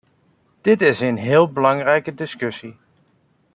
Dit is een heel belangrijke discussie.